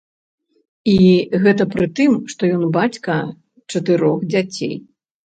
І гэта пры тым, што ён бацька чатырох дзяцей.